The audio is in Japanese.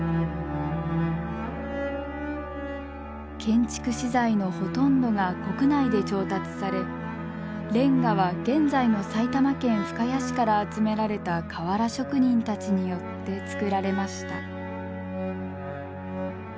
建築資材のほとんどが国内で調達されレンガは現在の埼玉県深谷市から集められた瓦職人たちによって作られました。